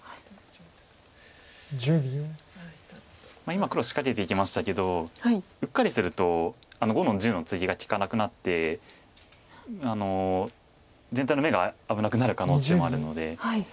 今黒仕掛けていきましたけどうっかりするとあの５の十のツギが利かなくなって全体の眼が危なくなる可能性もあるので。